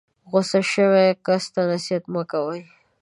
غسه شوي کس ته نصیحت مه کوئ.